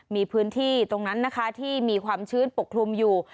มีพื้นที่ตรงนั้นนะคะที่มีความชื้นปกคลุมอยู่